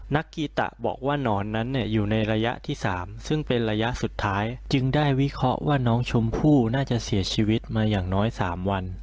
กีตะบอกว่านอนนั้นอยู่ในระยะที่๓ซึ่งเป็นระยะสุดท้ายจึงได้วิเคราะห์ว่าน้องชมพู่น่าจะเสียชีวิตมาอย่างน้อย๓วัน